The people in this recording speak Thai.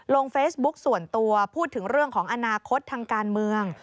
ลงเฟซบุ๊กส่วนตัวพูดถึงเรื่องของอนาคตทางการเมือง